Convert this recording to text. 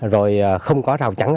rồi không có rào trắng